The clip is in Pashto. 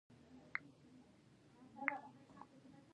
د غوږ د غږونو لپاره د ګینکګو بوټی وکاروئ